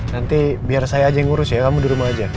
nanti biar saya aja yang ngurus ya kamu di rumah aja